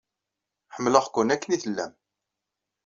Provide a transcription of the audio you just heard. Ḥemmleɣ-ken akken i tellam.